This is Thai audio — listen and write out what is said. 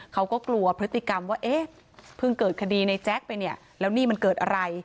เขาก็กลัวพฤติกรรมว่าเอ๊ะเพิ่งเกิดคดีในแจ๊คไปเนี่ยแล้วนี่มันเกิดอะไร